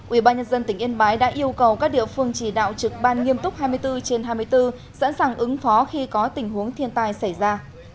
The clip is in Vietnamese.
ubnd tỉnh yên bái đã yêu cầu các địa phương chỉ đạo trực ban nghiêm túc hai mươi bốn trên hai mươi bốn sẵn sàng ứng phó khi có tình huống thiên tai xảy ra